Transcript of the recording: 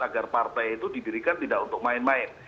agar partai itu didirikan tidak untuk main main